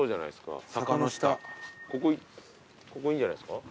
ここいいんじゃないすか？